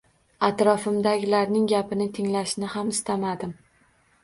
Atrofimdagilarning gapini tinglashni ham istamadim